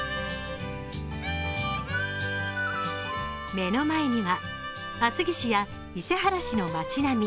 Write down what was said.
目の前には厚木市や伊勢原市の街並み。